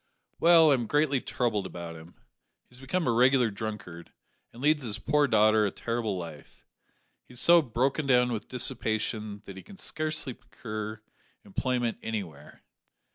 "Well, I am greatly troubled about him. He has become a regular drunkard, and leads his poor daughter a terrible life. He is so broken down with dissipation that he can scarcely procure employment anywhere.